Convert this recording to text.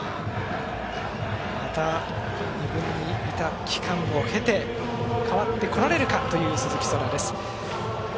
また２軍にいた期間を経て変わってこられるかという鈴木翔天です。